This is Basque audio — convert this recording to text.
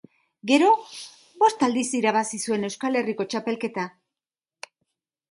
Gero, bost aldiz irabazi zuen Euskal Herriko txapelketa.